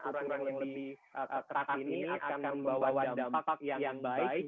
aturan yang lebih keras ini akan membawa dampak yang baik